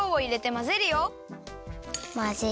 まぜる。